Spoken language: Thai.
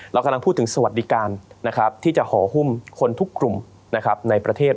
เรากำลังพูดถึงสวัสดิการที่จะห่อหุ้มคนทุกกลุ่มในประเทศ